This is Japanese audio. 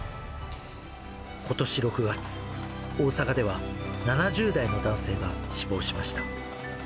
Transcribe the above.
ことし６月、大阪では、７０代の男性が死亡しました。